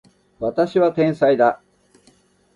私は天才だ